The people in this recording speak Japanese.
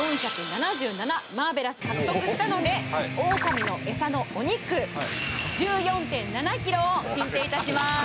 マーベラス獲得したのでオオカミのエサのお肉１４．７ｋｇを進呈いたします